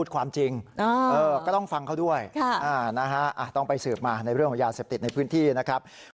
ความจริงก็ต้องฟังเขาด้วยต้องไปสืบมาในเรื่องของยาเสพติดในพื้นที่นะครับ